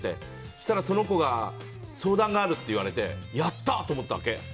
そうしたら、その子が相談があるって言われてやった！と思ったわけ。